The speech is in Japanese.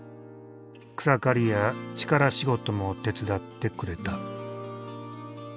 草刈りや力仕事も手伝ってくれた。